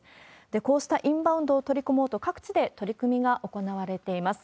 こうしたインバウンドを取り込もうと各地で取り組みが行われています。